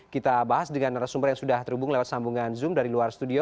kita bahas dengan narasumber yang sudah terhubung lewat sambungan zoom dari luar studio